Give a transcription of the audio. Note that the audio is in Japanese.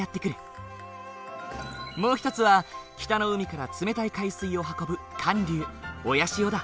もう一つは北の海から冷たい海水を運ぶ寒流親潮だ。